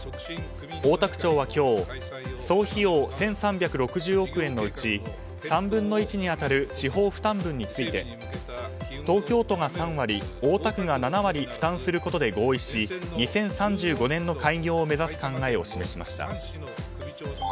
大田区長は、今日総費用１３６０億円のうち３分の１に当たる地方負担分について東京都が３割大田区が７割負担することで合意し２０３５年の開業を目指す考えを示しました。